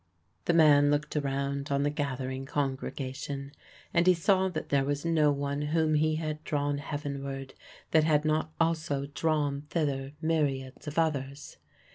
The man looked around on the gathering congregation, and he saw that there was no one whom he had drawn heavenward that had not also drawn thither myriads of others.